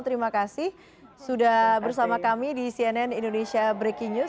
terima kasih sudah bersama kami di cnn indonesia breaking news